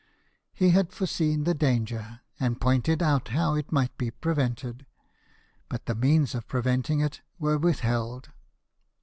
He had foreseen the danger, and pointed out how it might be prevented, but the means of preventing it were withheld.